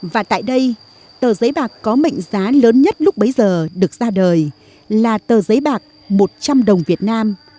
và tại đây tờ giấy bạc có mệnh giá lớn nhất lúc bấy giờ được ra đời là tờ giấy bạc một trăm linh đồng việt nam